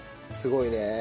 すごいね。